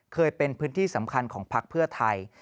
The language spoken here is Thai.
เคยเป็นพื้นที่สำคัญของพักเพื่อไทย